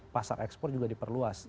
pasar ekspor juga diperluas